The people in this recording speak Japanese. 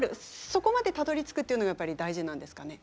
そこまでたどりつくっていうのがやっぱり大事なんですかね。